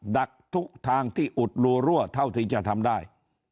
ดักทุกทางที่อุดรูรั่วเท่าที่จะทำได้